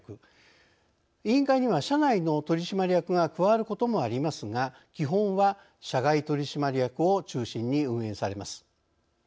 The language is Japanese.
委員会には社内の取締役が加わることもありますが基本は社外取締役を中心に運営されます。